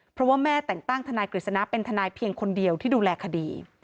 เพราะว่าแม่แต่งตั้งทนายกฤษณะเป็นทนายเพียงคนเดียวที่ดูแลคดี